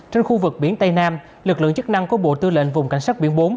trên khu vực biển tây nam lực lượng chức năng của bộ tư lệnh vùng cảnh sát biển bốn